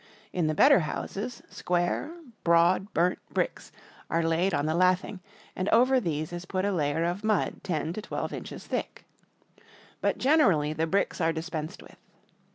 In the better houses, square, broad burnt bricks are laid on the lath ing, and over these is put a layer of mud ten to twelve inches thick. But generally the bricks are dispensed with.